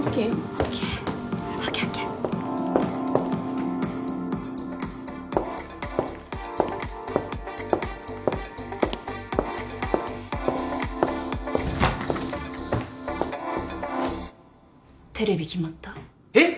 ＯＫＯＫＯＫテレビ決まったえっ！？